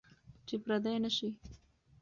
چې پردي نشئ.